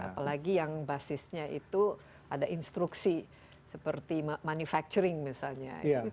apalagi yang basisnya itu ada instruksi seperti manufacturing misalnya